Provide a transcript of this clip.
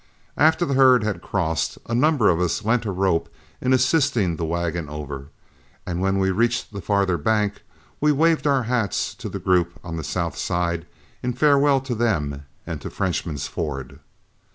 After the herd had crossed, a number of us lent a rope in assisting the wagon over, and when we reached the farther bank, we waved our hats to the group on the south side in farewell to them and to Frenchman's Ford.